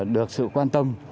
được sự quan tâm